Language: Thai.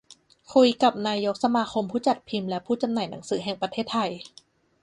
คุยกับนายกสมาคมผู้จัดพิมพ์และผู้จำหน่ายหนังสือแห่งประเทศไทย